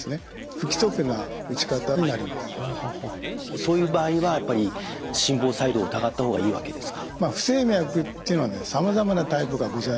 そういう場合はやっぱり心房細動を疑った方がいいわけですか？